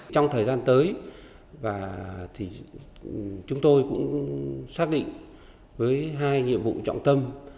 trong thời gian tới và chúng tôi cũng xác định với hai nhiệm vụ trọng tâm